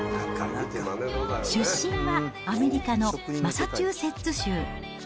出身はアメリカのマサチューセッツ州。